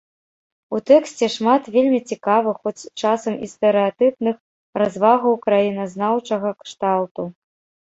У тэксце шмат вельмі цікавых, хоць часам і стэрэатыпных, развагаў краіназнаўчага кшталту.